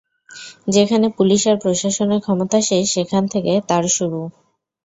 যেখানে পুলিশ আর প্রশাসনের ক্ষমতা শেষ, সেখান থেকে তার শুরু।